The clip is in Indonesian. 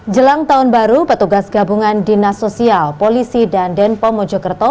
jelang tahun baru petugas gabungan dinasosial polisi dan denpom mojokerto